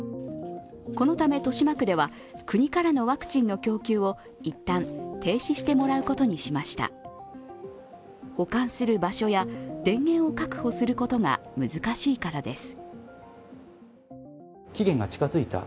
このため豊島区では国からのワクチンの供給を一旦、停止してもらうことにしました。保管する場所や電源を確保することが難しいからです。